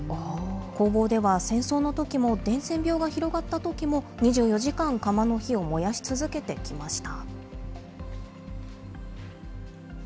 工房では戦争のときも伝染病が広がったときも２４時間、窯の火を燃やし続けてきました。